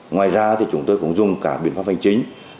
ngoài ra chúng tôi cũng dùng cả biện pháp bằng chính